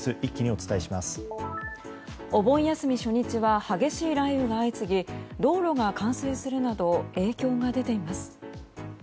お盆休み初日は激しい雷雨が相次ぎ道路が冠水するなど影響が出ています。